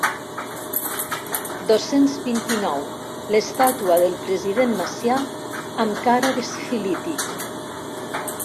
Dos-cents vint-i-nou l'estàtua del president Macià amb cara de sifilític.